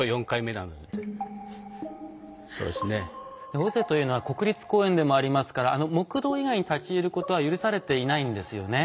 尾瀬というのは国立公園でもありますから木道以外に立ち入ることは許されていないんですよね。